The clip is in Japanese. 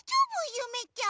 ゆめちゃん。